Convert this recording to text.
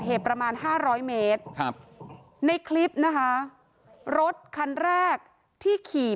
ประมาณห้าร้อยเมตรครับในคลิปนะคะรถคันแรกที่ขี่